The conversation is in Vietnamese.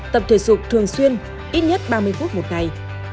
tập thể dục thường xuyên ít nhất ba mươi phút một ngày